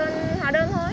được được được em ơi